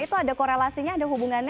itu ada korelasinya ada hubungannya